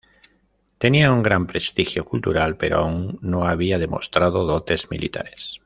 Tenía un gran prestigio cultural, pero aún no había demostrado dotes militares.